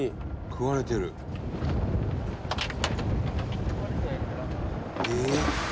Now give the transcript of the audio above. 「食われてる」「ええー」